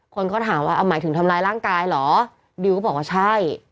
คนก็ถามว่าเอาหมายถึงทำร้ายร่างกายเหรอดิวก็บอกว่าใช่